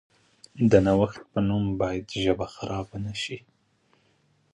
د نوښت په نوم باید ژبه خرابه نشي.